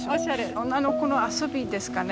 女の子の遊びですかね。